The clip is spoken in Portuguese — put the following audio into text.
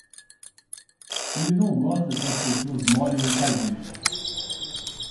Ele não gosta que as pessoas morem em Cardiff.